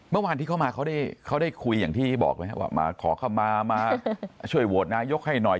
เมื่อวานที่เข้ามาเขาได้คุยอย่างที่บอกแล้วว่ามาขอเข้ามามาช่วยโหวตนายกให้หน่อย